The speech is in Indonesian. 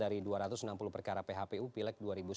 dari dua ratus enam puluh perkara phpu pileg dua ribu sembilan belas